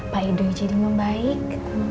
pak idoi jadi membaik